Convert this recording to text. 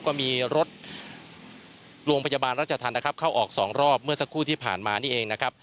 ก็มีรถโรงพยาบาลรัชธรรมนะครับเข้าออกสองรอบเมื่อสักครู่ที่ผ่านมานี่เองนะครับ